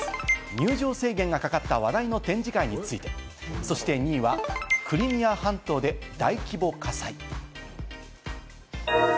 入場制限がかかった話題の展示会について、２位はクリミア半島で大規模火災。